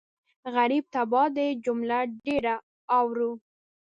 غريب تباه دی جمله ډېره اورو